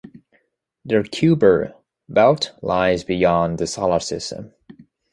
The Kuiper Belt lies beyond the solar system.